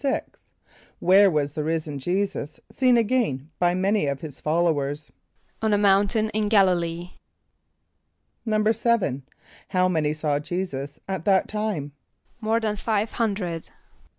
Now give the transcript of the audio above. = Where was the risen J[=e]´[s+]us seen again by many of his followers? =On a mountain in G[)a]l´[)i] lee.= =7.= How many saw J[=e]´[s+]us at that time? =More than five hundred.